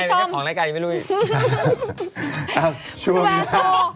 อะไรมันแค่ของรายการยังไม่รู้อีกอะไรมันแค่ของรายการยังไม่รู้อีก